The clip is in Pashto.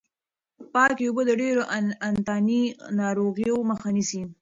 پاکې اوبه د ډېرو انتاني ناروغیو مخه نیسي.